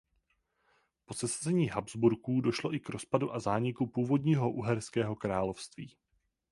Po sesazení Habsburků došlo i k rozpadu a zániku původního Uherského království.